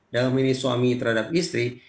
dalam ini suami terhadap istri